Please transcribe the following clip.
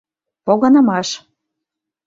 Погынымаш.